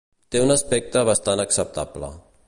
Té un aspecte bastant acceptable.